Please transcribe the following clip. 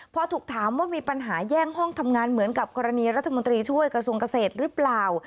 พอถูกถามว่ามีปัญหาแย่งห้องทำงานเหมือนกับกรณีรัฐมนตรีช่วยกระทรวงเกษตรหรือเปล่า